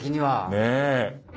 ねえ？